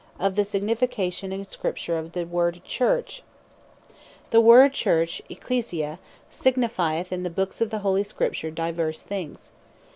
OF THE SIGNIFICATION IN SCRIPTURE OF THE WORD CHURCH Church The Lords House The word Church, (Ecclesia) signifieth in the Books of Holy Scripture divers things.